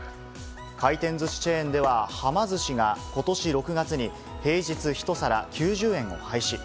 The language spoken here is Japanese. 回転ずしチェーンでは、はま寿司が今年６月に平日１皿９０円を廃止。